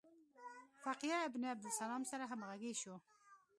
فقیه ابن عبدالسلام سره همغږي شو.